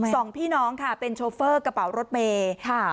สองพี่น้องค่ะเป็นโชเฟอร์กระเป๋ารถเมย์ค่ะ